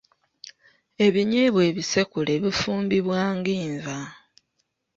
Ebinyeebwa ebisekule bifumbibwa ng'enva.